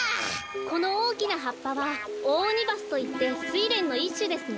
このおおきなはっぱはオオオニバスといってスイレンのいっしゅですね。